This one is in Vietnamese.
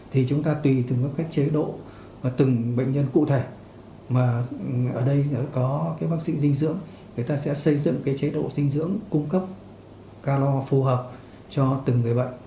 thì chúng ta tùy từng các cái chế độ và từng bệnh nhân cụ thể mà ở đây có cái bác sĩ dinh dưỡng người ta sẽ xây dựng cái chế độ dinh dưỡng cung cấp calor phù hợp cho từng người bệnh